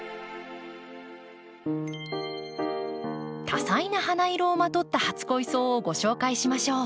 多彩な花色をまとった初恋草をご紹介しましょう。